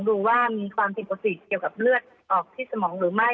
หรือว่ามีความผิดสี่ธุทธิตเกี่ยวกับเลือดที่สมองหรือไม่